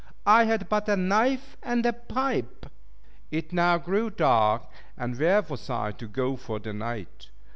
I had but a knife and a pipe. It now grew dark; and where was I to go for the night?